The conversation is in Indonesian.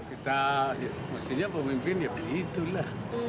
kita mestinya pemimpin ya begitu lah